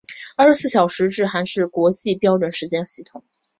二十四小时制还是国际标准时间系统。